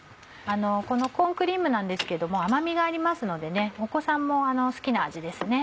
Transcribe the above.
このコーンクリームなんですけども甘みがありますのでお子さんも好きな味ですね。